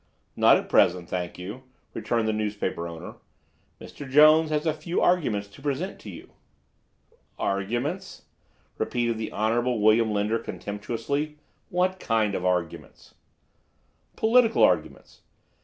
"Not at present, thank you," returned the newspaper owner. "Mr. Jones has a few arguments to present to you." "Arguments," repeated the Honorable William Lender contemptuously. "What kind of arguments?" "Political arguments.